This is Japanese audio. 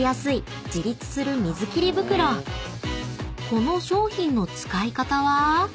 ［この商品の使い方は？］